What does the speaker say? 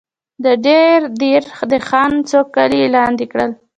د دیر د خان څو کلي یې لاندې کړل.